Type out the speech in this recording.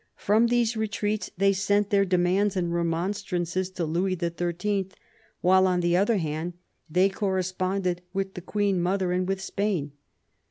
From these retreats they sent their demands and remonstrances to Louis XIII., while on the other hand they corresponded with the Queen mother and with Spain.